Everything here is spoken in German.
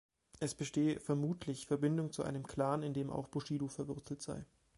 Es bestehe „vermutlich“ Verbindung zu einem Clan, in dem auch Bushido verwurzelt sei.